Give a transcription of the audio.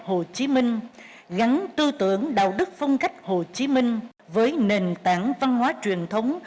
hồ chí minh gắn tư tưởng đạo đức phong cách hồ chí minh với nền tảng văn hóa truyền thống